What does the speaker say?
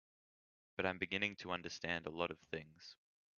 But I'm beginning to understand a lot of things.